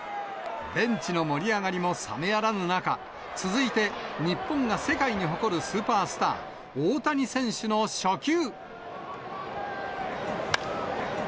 ベンチの盛り上がりも冷めやらぬ中、続いて日本が世界に誇るスーパースター、大谷選手の初球。